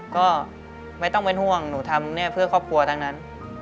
ก็ไม่ต้องเป็นห่วงหนูทำเนี่ยเพื่อครอบครัวทั้งนั้น